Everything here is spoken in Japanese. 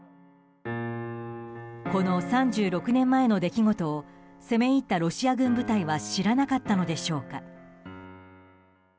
この３６年前の出来事を攻め入ったロシア軍部隊は知らなかったのでしょうか。